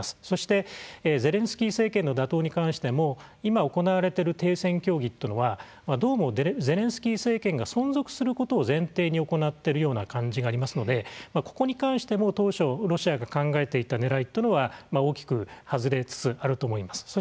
そして、ゼレンスキー政権の打倒に関しても今行われている停戦協議というのはどうもゼレンスキー政権が存続することを前提に行っているような感じがありますのでここに関しても当初、ロシアが考えていたねらいというのは大きく外れつつあると思います。